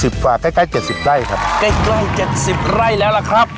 ๖๐บาทใกล้๗๐ไร่ครับใกล้๗๐ไร่แล้วล่ะครับ